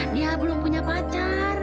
dia belum punya pacar